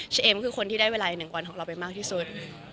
เชเอมคือคนที่ได้เวลาในหนึ่งวันของเราไปมากที่สุด